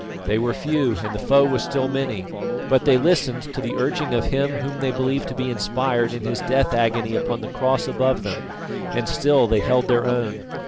They were few and the foe was still many, but they listened to the urging of him whom they believed to be inspired in his death agony upon the cross above them, and still they held their own.